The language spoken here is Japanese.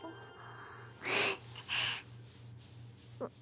あっ。